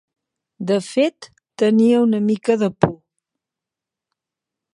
De fet, tenia una mica de por.